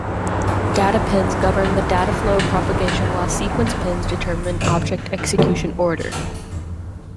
Data pins govern the data flow propagation while sequence pins determine object execution order.